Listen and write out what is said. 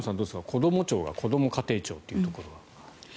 こども庁がこども家庭庁というところ。